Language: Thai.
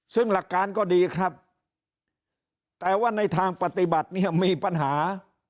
ซึ่งหลักการก็ดีครับแต่ว่าในทางปฏิบัติเนี่ยมีปัญหา